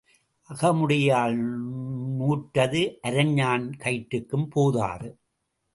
அகமுடையாள் நூற்றது அரைஞாண் கயிற்றுக்கும் போதாது.